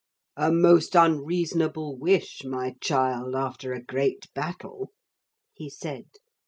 'A most unreasonable wish, my child, after a great battle!' he said.